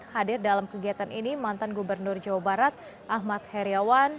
hadir dalam kegiatan ini mantan gubernur jawa barat ahmad heriawan